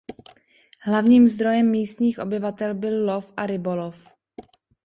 Hlavním zdrojem místních obyvatel byl lov a rybolov.